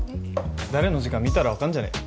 誰の字か見たら分かるんじゃね？